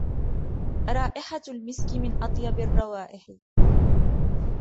رائحة المسك من أطيب الروائح.